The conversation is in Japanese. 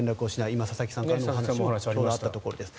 今、佐々木さんからもお話があったところです。